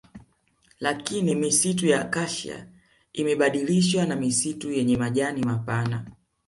Lakini misitu ya Acacia imebadilishwa na misitu yenye majani mapana